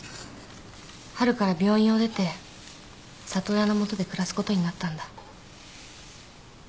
春から病院を出て里親の元で暮らすことになったんだ。